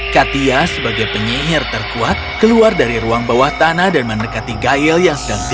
katia sebagai penyihir terkuat keluar dari ruang bawah tanah dan mendekati gayel yang sedang tidur